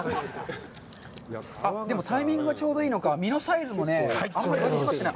でも、タイミングがちょうどいいのか、身のサイズもね、あんまりちっちゃくなってない。